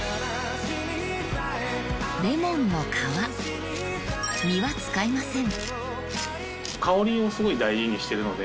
レモンの皮実は使いません